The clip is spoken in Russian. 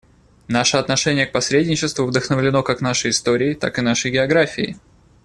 Наше отношение к посредничеству вдохновлено как нашей историей, так и нашей географией.